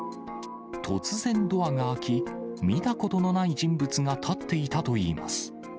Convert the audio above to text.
突然、ドアが開き、見たことのない人物が立っていたといいます。